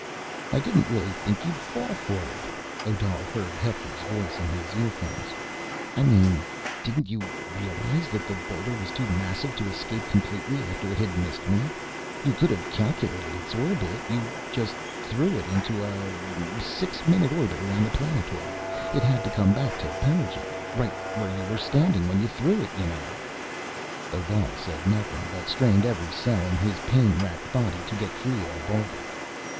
"I didn't really think you'd fall for it," Odal heard Hector's voice in his earphones. "I mean ... didn't you realize that the boulder was too massive to escape completely after it had missed me? You could've calculated its orbit ... you just threw it into a, uh, six minute orbit around the planetoid. It had to come back to perigee ... right where you were standing when you threw it, you know." Odal said nothing, but strained every cell in his pain wracked body to get free of the boulder.